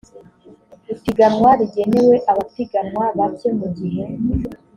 ipiganwa rigenewe abapiganwa bake mu gihe